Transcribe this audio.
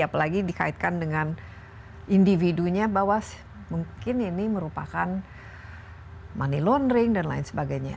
apalagi dikaitkan dengan individunya bahwa mungkin ini merupakan money laundering dan lain sebagainya